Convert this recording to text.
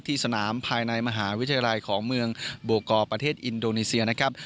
สนามภายในมหาวิทยาลัยของเมืองโบกอร์ประเทศอินโดนีเซียนะครับ